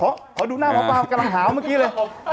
ขอดูหน้าหมอปลากำลังหาวเมื่อกี้เลย